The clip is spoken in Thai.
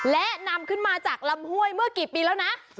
และนำขึ้นมาจากลำห้วยเมื่อกี่ปีแล้วนะ